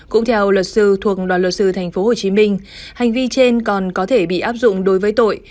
cũng theo luật sư thuộc đoàn luật sư tp hcm hành vi trên còn có thể bị áp dụng đối với tội